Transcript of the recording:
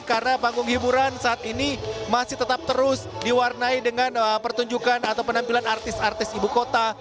karena panggung hiburan saat ini masih tetap terus diwarnai dengan pertunjukan atau penampilan artis artis ibu kota